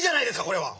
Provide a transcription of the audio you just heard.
これは。